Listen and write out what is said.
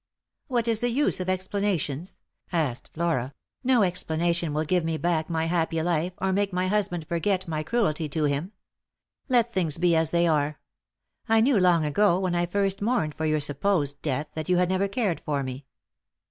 '"What is the use of explanations?" asked Flora. "No explanation will give me back my happy life, or make my husband forget my cruelty to him. Let things be as they are. I knew long ago, when I first mourned for your supposed death, that you had never cared for me."